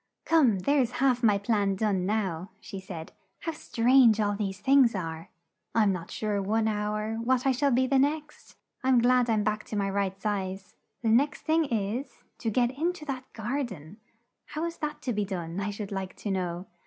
"Come, there's half my plan done now!" she said. "How strange all these things are! I'm not sure one hour, what I shall be the next! I'm glad I'm back to my right size: the next thing is, to get in to that gar den how is that to be done, I should like to know?"